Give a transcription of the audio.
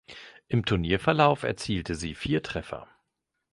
Im Turnierverlauf erzielte sie vier Treffer.